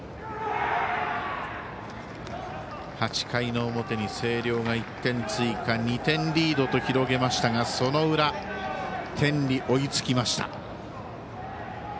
８回の表に星稜が１点追加２点リードと広げましたがその裏、天理追いつきました。